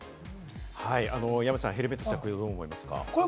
山ちゃん、ヘルメットの着用、どう思いますか？